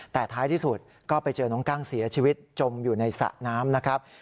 แต่ท้ายที่สุดก็ไปเจอน้องกั้งเสียชีวิตจมอยู่ในสระน้ำนะครับ